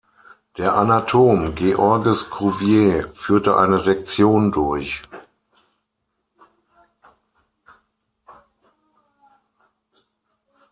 Der Anatom Georges Cuvier führte eine Sektion durch.